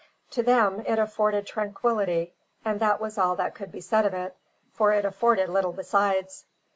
To them it afforded tranquillity, and that was all that could be said of it, for it afforded little besides.